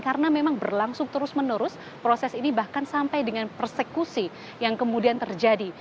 karena memang berlangsung terus menerus proses ini bahkan sampai dengan persekusi yang kemudian terjadi